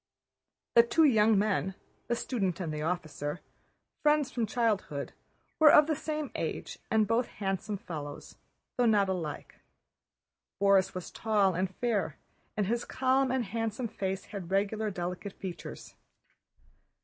The two young men, the student and the officer, friends from childhood, were of the same age and both handsome fellows, though not alike. Borís was tall and fair, and his calm and handsome face had regular, delicate features.